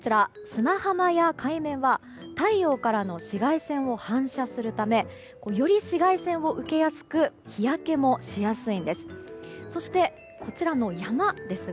砂浜や海面は太陽からの紫外線を反射するためより紫外線を受けやすく日焼けもしやすいんです。